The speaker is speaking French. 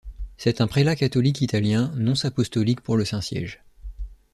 C'est un prélat catholique italien, nonce apostolique pour le Saint-Siège.